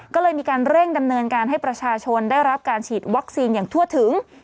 ก็เลยมีการเร่งดำเนินการให้ประชาชนได้รับการฉีดวัคซีนอย่างทั่วถึง